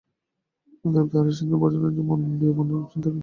অতএব তাঁহারা এই সিদ্ধান্তে পৌঁছিলেন যে, মন ও মনের চিন্তারাশি প্রকৃত মানুষ নয়।